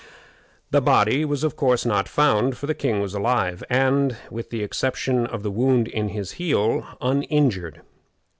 The body was, of course, not found, for the king was alive, and, with the exception of the wound in his heel, uninjured.